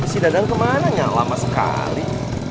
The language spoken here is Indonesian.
si dadang kemananya lama sekali